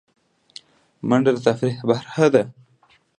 منډه د تفریح برخه ده